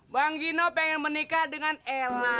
bang gino pengen menikah dengan ella